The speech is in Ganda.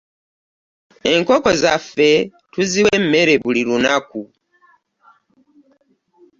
Enkoko zaffe tuziwa emmere buli lunaku.